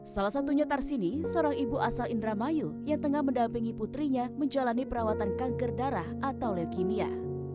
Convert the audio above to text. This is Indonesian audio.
salah satunya tarsini seorang ibu asal indramayu yang tengah mendampingi putrinya menjalani perawatan kanker darah atau leukemia